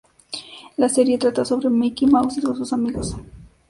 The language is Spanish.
La serie trata sobre Mickey Mouse y todos sus amigos.